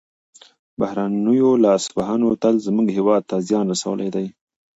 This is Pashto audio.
بهرنیو لاسوهنو تل زموږ هېواد ته زیان رسولی دی.